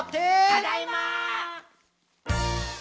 ただいま！